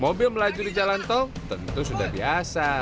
mobil melaju di jalan tol tentu sudah biasa